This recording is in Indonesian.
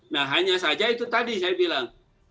nah hanya saja itu tadi saya bilang